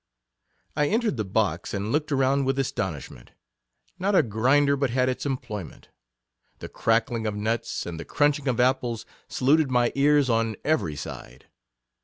I entered the box, and looked around with astonishment — not a grinder but had its employment. The crackling of nuts, and the craunching of ap ples, saluted my ears on every side.